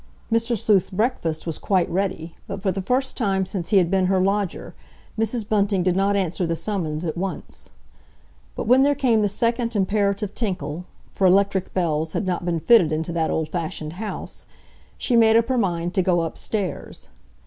Mr. Sleuth's breakfast was quite ready, but for the first time since he had been her lodger Mrs. Bunting did not answer the summons at once. But when there came the second imperative tinkle—for electric bells had not been fitted into that old fashioned house—she made up her mind to go upstairs.